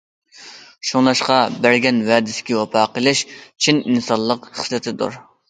شۇڭلاشقا، بەرگەن ۋەدىسىگە ۋاپا قىلىش چىن ئىنسانلىق خىسلىتىدۇر.